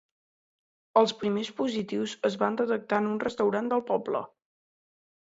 Els primers positius es van detectar en un restaurant del poble.